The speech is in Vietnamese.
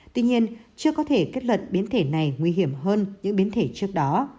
tuy nhiên chưa có thể kết luận biến thể này nguy hiểm hơn những biến thể trước đó